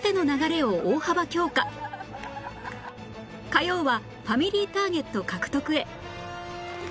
火曜はファミリーターゲット獲得へ